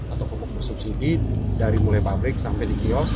atau pupuk pupuk subsidi dari mulai pabrik sampai di kiosk